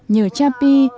nhờ cha pi